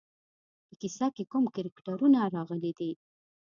په کیسه کې کوم کرکټرونه راغلي دي.